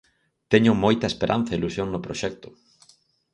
Teño moita esperanza e ilusión no proxecto.